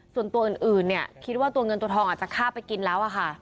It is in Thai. ส่วนตัวอื่นเนี่ยคิดว่าตัวเงินตัวทองอาจจะฆ่าไปกินแล้วอะค่ะ